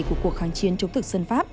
của cuộc kháng chiến chống thực dân pháp